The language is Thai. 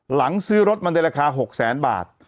หลังซื้อรถมันในราคา๖๐๐๐๐๐บาท